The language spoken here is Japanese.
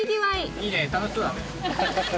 いいね、楽しそうだね。